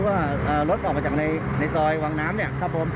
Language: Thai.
มีเหตุการณ์ว่ารถออกของในตรงปากซอยวางน้ำ